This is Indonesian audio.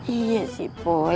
iya sih poy